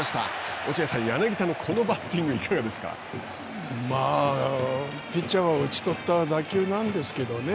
落合さん、柳田のこのバッティング、ピッチャーが打ち取った打球なんですけどね。